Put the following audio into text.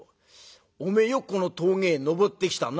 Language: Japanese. おめえよくこの峠へ登ってきたな」。